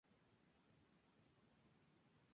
Consuelo Mendoza de Garzón.